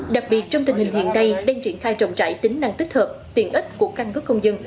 đặc biệt trong tình hình hiện nay đang triển khai trọng trải tính năng tích hợp tiện ích của căn cứ công dân